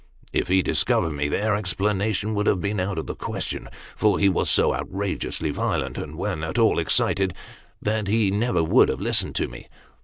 If he discovered me there, explanation would have been out of the question ; for ho was so outrageously violent, when at all excited, that he never would have listened to me.